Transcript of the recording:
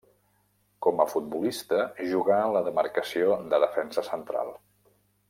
Com a futbolista jugà en la demarcació de defensa central.